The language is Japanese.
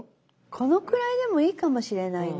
このくらいでもいいかもしれないな。